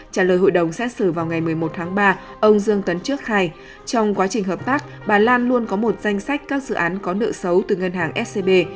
trả lời hội đồng xét xử vào ngày một mươi một tháng ba ông dương tấn trước khai trong quá trình hợp tác bà lan luôn có một danh sách các dự án có nợ xấu từ ngân hàng scb